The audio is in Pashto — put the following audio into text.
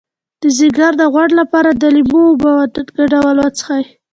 د ځیګر د غوړ لپاره د لیمو او اوبو ګډول وڅښئ